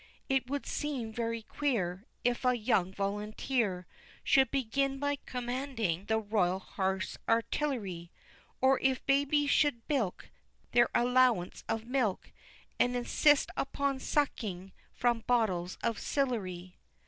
It would seem very queer If a young volunteer Should begin by commanding the Royal Horse Artillery, Or if babies should bilk Their allowance of milk And insist upon sucking from bottles of Sillery.